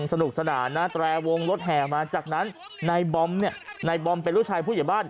สนุกสนานนะแตรวงรถแห่มาจากนั้นนายบอมเนี่ยนายบอมเป็นลูกชายผู้ใหญ่บ้าน